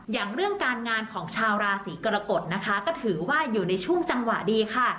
อย่างเรื่องการงานของชาวราศีกรกฎนะคะก็ถือว่าอยู่ในช่วงจังหวะดีค่ะ